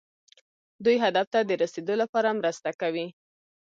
دوی هدف ته د رسیدو لپاره مرسته کوي.